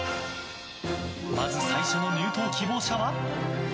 まず最初の入党希望者は。